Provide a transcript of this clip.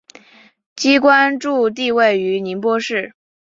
机关驻地位于宁波市。